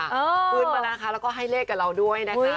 พื้นมานะคะแล้วก็ให้เลขกับเราด้วยนะคะ